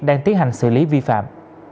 đang tiến hành xử lý vi phạm